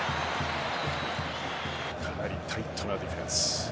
かなりタイトなディフェンス。